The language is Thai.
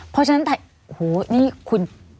เพราะฉะนั้นโอ้โหนี่คุณ